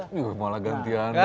yuh malah gantian